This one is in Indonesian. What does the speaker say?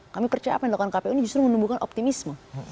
kami percaya pendelakan kpu ini justru menumbuhkan optimisme